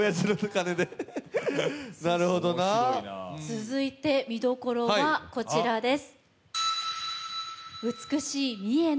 続いて見どころはこちらです。